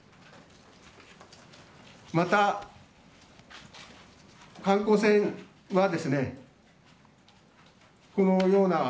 また、観光船はこのような。